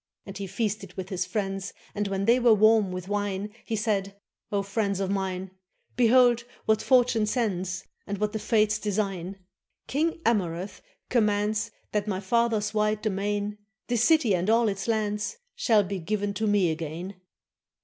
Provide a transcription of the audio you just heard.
And he feasted with his friends, And when they were warm with wine. He said: "O friends of mine. Behold what fortune sends, And what the fates design! 477 TURKEY King Amurath commands That my father's wide domain This city and all its lands, Shall be given to me again."